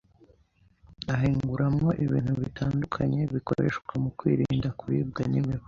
ahinguramwo ibintu bitandukanye bikoreshwa mu kwirinda kuribwa n'imibu.